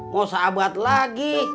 mau seabad lagi